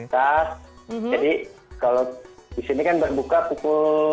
jadi kalau di sini kan berbuka pukul dua belas